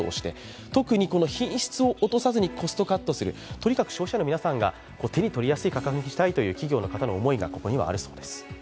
とにかく消費者の皆さんが、手に取りやすい価格にしたいという企業のかたの思いが、ここにあるそうです。